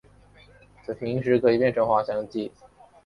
平时可以变成滑翔机。